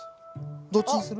どっちにする？